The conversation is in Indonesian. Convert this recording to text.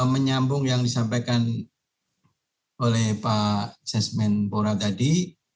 menyambung yang disampaikan oleh pak sesmen bora tadi